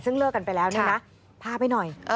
ซึ่งเลิกกันไปแล้วเนี่ยนะพาไปหน่อย